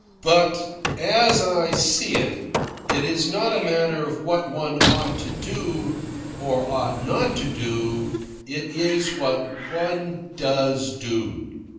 But, as I see it, it is not a matter of what one ought to do, or ought not to do. It is what one DOES do.